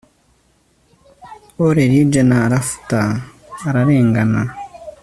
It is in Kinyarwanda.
Oer ridge na rafter ararengana